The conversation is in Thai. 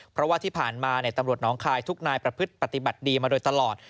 เพราะว่าที่ผ่านมาตำรวจน้องคายทุกนายประพฤติปฏิบัติดีมาโดยตลอด